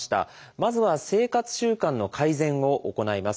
まずは生活習慣の改善を行います。